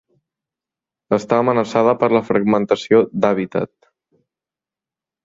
Està amenaçada per la fragmentació d'hàbitat.